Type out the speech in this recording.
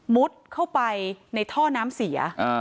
เข้าไปในท่อน้ำเสีย